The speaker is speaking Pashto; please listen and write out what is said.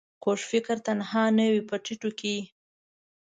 کوږ فکر تنها نه وي په ټيټو کې